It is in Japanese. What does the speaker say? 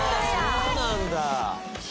そうなんだ。